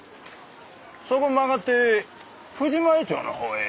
そこ曲がって富士前町の方へ。